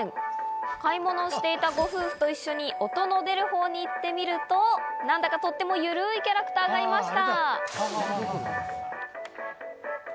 買い物していたご夫婦と一緒に、音の出るほうに行ってみると、何だかとっても、ゆるいキャラクターがいました。